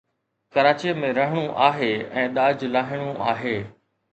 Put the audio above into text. ڪراچيءَ ۾ رهڻو آهي ۽ ڏاج لاهڻو آهي